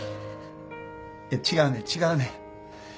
違うねん違うねん。